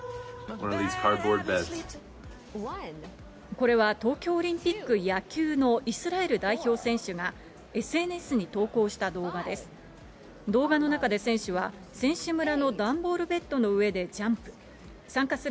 これは東京オリンピック野球のイスラエル代表選手が、ＳＮＳに投稿した動画です。